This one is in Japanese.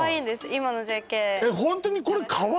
今のＪＫ